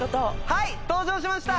はい登場しました。